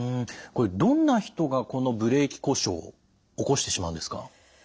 これどんな人がこのブレーキ故障起こしてしまうんですか？